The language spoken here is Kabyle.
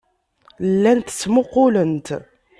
Llant ttmuqqulent.